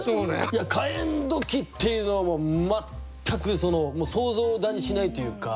いや「火焔土器」っていうのも全く想像だにしないというか。